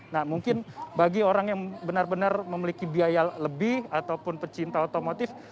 nah mungkin bagi orang yang benar benar memiliki biaya lebih ataupun pecinta otomotif